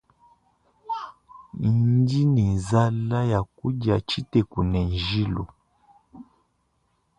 Ndi ni nzala yakudia tshiteku ne njilu.